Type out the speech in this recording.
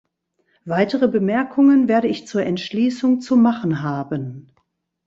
Weitere Bemerkungen werde ich zur Entschließung zu machen haben.